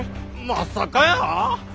まさかやー。